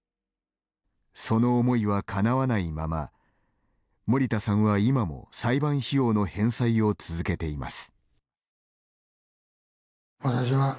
その思いはかなわないまま森田さんは今も裁判費用の返済を続けています。